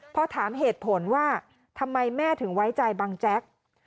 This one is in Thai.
พอถามเหตุผลว่าทำไมแม่ถึงไว้ใจบังแจ๊ก